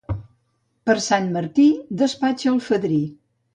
Per Sant Martí, despatxa el fadrí.